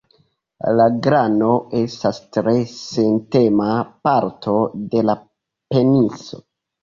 La glano estas tre sentema parto de la peniso.